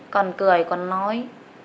còn cười còn nói